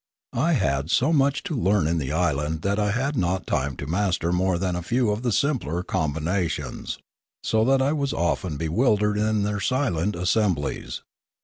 I had so much to learn in the island that I had not time to master more than a few of the simpler combinations, so that I was often bewildered in their silent assemblies.